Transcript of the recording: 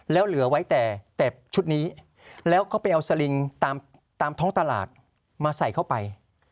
แล้วเหลือไว้แต่ชุดนี้แล้วก็ไปเอาสลิงตามท้องตลาดมาใส่เข้าไป